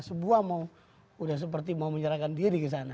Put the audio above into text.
sebuah mau udah seperti mau menyerahkan diri kesana